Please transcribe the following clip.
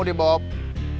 tadi aku kalah tulis